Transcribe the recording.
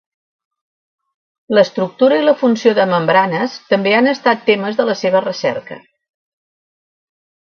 L'estructura i la funció de membranes també han estat temes de la seva recerca.